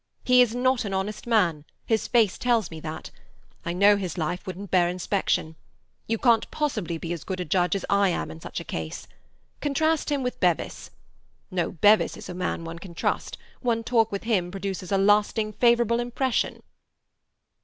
He is not an honest man; his face tells me that. I know his life wouldn't bear inspection. You can't possibly be as good a judge as I am in such a case. Contrast him with Bevis. No, Bevis is a man one can trust; one talk with him produces a lasting favourable impression."